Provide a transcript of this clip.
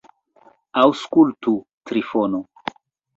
Aŭskultu, Trifono.